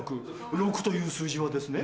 ６という数字はですね